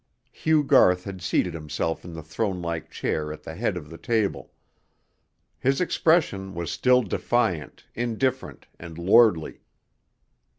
Hugh Garth had seated himself in the thronelike chair at the head of the table. His expression was still defiant, indifferent, and lordly.